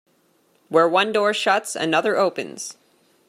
Where one door shuts, another opens.